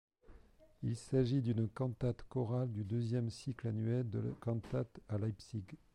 Il s'agit d'une cantate chorale du deuxième cycle annuel de cantates à Leipzig.